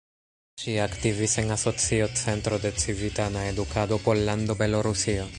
Ŝi aktivis en Asocio Centro de Civitana Edukado Pollando-Belorusio.